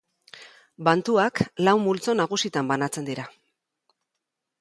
Bantuak lau multzo nagusitan banatzen dira.